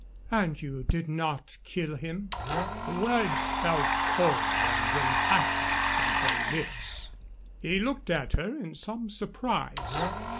"And you did not kill him?" The words fell cold and impassive from her lips. He looked at her in some surprise.